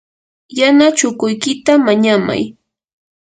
yana chukuykita mañamay.